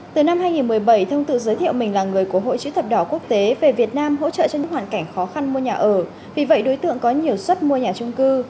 từ năm hai nghìn một mươi bảy thông tự giới thiệu mình là người của hội chữ thập đỏ quốc tế về việt nam hỗ trợ cho những hoàn cảnh khó khăn mua nhà ở vì vậy đối tượng có nhiều suất mua nhà trung cư